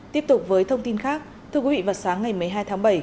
tiếp tục với thông tin khác thưa quý vị vào sáng ngày một mươi hai tháng bảy